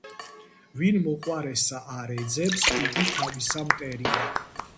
ვინ მოყვარესა არ ეძებს, იგი თავისა მტერია